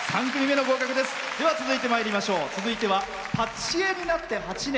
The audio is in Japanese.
続いてはパティシエになって８年。